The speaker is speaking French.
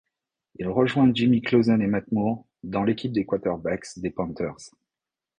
Il rejoint Jimmy Clausen et Matt Moore dans l'équipe des quarterbacks des Panthers.